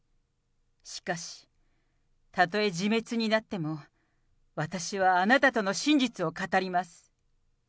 しかし、たとえ自滅になっても、私はあなたとの真実を語ります。